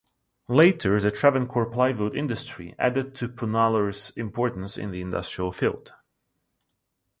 Later the Travancore plywood industry added to Punalur's importance in the industrial field.